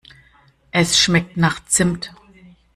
Es schmeckt nach Zimt.